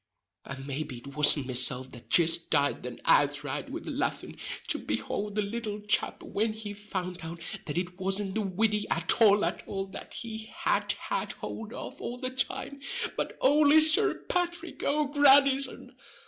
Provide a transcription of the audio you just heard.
And maybe it wasn't mesilf that jist died then outright wid the laffin', to behold the little chap when he found out that it wasn't the widdy at all at all that he had had hould of all the time, but only Sir Pathrick O'Grandison.